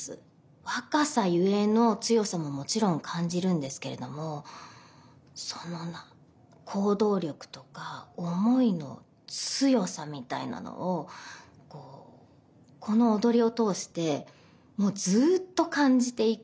若さゆえの強さももちろん感じるんですけれどもその行動力とか思いの強さみたいなのをこうこの踊りを通してもうずっと感じていく。